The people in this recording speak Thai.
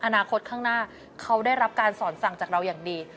อนาคตข้างหน้าเขาได้รับการสอนสั่งจากเราอย่างดี